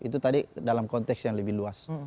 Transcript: itu tadi dalam konteks yang lebih luas